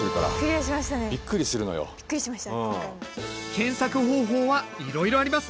検索方法はいろいろあります。